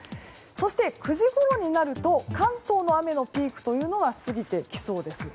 そして、９時ごろになると関東の雨のピークは過ぎていきそうです。